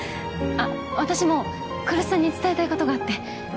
あっ私も来栖さんに伝えたいことがあって。